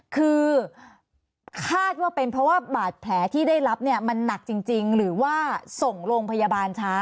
คือคาดว่าเป็นเพราะว่าบาดแผลที่ได้รับเนี่ยมันหนักจริงหรือว่าส่งโรงพยาบาลช้า